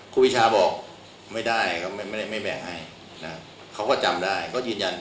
คุณพิชาบอกไม่ได้ก็ไม่แบ่งให้เขาก็จำได้ก็ยืนยัน